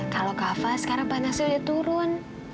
kalau kava sekarang panasnya udah turun